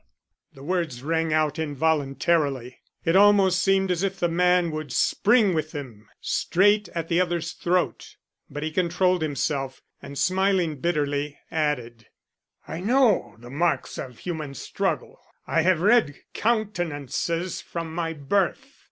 The words rang out involuntarily. It almost seemed as if the man would spring with them straight at the other's throat. But he controlled himself, and smiling bitterly, added: "I know the marks of human struggle. I have read countenances from my birth.